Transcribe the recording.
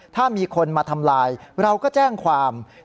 ถ้ามีคนมาทำลายเราก็แจ้งความ